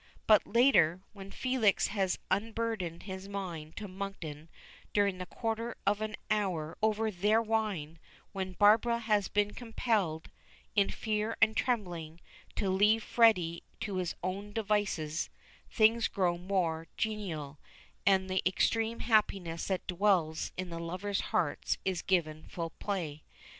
But later, when Felix has unburdened his mind to Monkton during the quarter of an hour over their wine when Barbara has been compelled, in fear and trembling, to leave Freddy to his own devices things grow more genial, and the extreme happiness that dwells in the lovers' hearts is given full play.